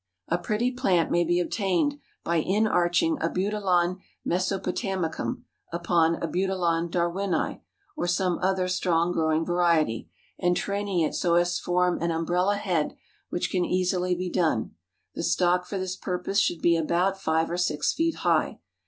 "A pretty plant may be obtained by inarching Abutilon Mesopotamicum upon Abutilon Darwinii, or some other strong growing variety, and training it so as form an umbrella head, which can easily be done. The stock for this purpose should be about five or six feet high.